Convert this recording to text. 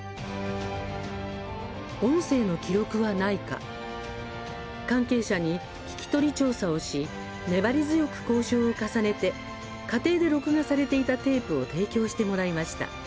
音声の記録はないか関係者に聞き取り調査をし粘り強く交渉を重ねて家庭で録画されていたテープを提供してもらいました。